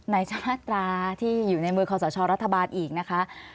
จะมาตราที่อยู่ในมือคอสชรัฐบาลอีกนะคะ